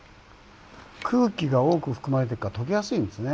空気が多く含まれてるからとけやすいんですね。